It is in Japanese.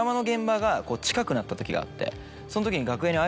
その時に。